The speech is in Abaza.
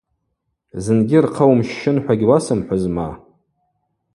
Зынгьи рхъа уымщщын – хӏва гьуасымхӏвызма?